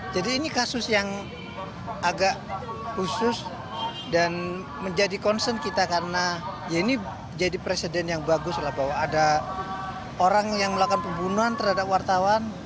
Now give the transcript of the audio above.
jadi ini kasus yang agak khusus dan menjadi concern kita karena ini jadi presiden yang bagus lah bahwa ada orang yang melakukan pembunuhan terhadap wartawan